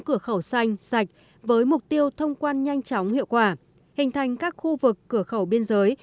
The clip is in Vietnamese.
cửa khẩu xanh sạch với mục tiêu thông quan nhanh chóng hiệu quả hình thành các khu vực cửa khẩu biên giới